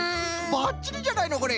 ばっちりじゃないのこれ。